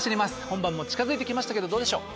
本番も近づいて来ましたけどどうでしょう？